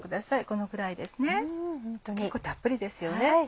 このくらいですね結構たっぷりですよね。